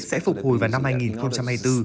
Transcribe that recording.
sẽ phục hồi vào năm hai nghìn hai mươi bốn